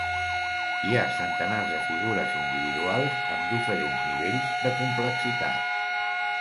Hi ha centenars de figures individuals amb diferents nivells de complexitat.